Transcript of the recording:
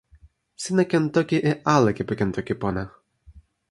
sina ken toki e ale kepeken Toki Pona.